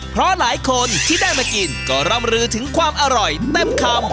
เพราะหลายคนที่ได้มากินก็ร่ำลือถึงความอร่อยเต็มคำ